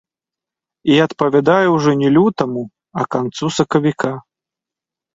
І адпавядае ўжо не лютаму, а канцу сакавіка.